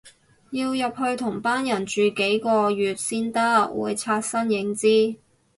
要入去同班人住幾個月先得，會刷新認知